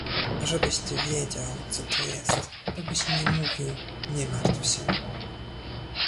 — A żebyś ty wiedział, co to jest, to byś nie mówił „nie martw się”.